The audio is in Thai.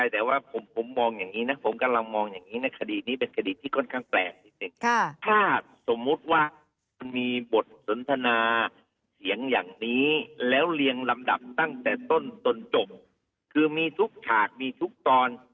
ต้องเรียงลำดับตั้งแต่ต้นต้นจบคือมีทุกฉากมีทุกตอน